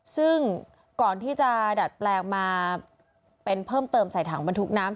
ซึ่งก่อนที่จะดัดแปลงมาเป็นเพิ่มเติมใส่ถังบรรทุกน้ำ